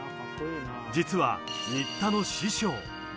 実は新田の師匠。